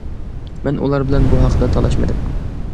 مەن ئۇلار بىلەن بۇ ھەقتە تالاشمىدىم.